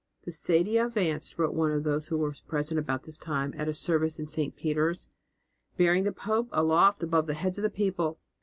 . "The sedia advanced," wrote one who was present about this time at a service in St. Peter's, "bearing the pope aloft above the heads of the people.